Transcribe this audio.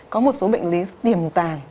có một số bệnh lý tiềm tàng